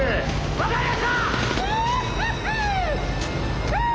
分かりました！